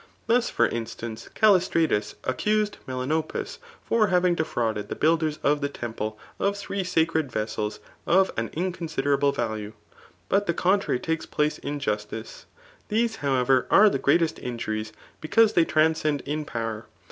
'3 Thus for instance, Callistratus accused Melanopus for having defrauded the builders of the temple of three sacred vessels of an inconsiderable value. But the con« tmry takes place in justice. These, however, are the greatest injuries^ because they transcend in power.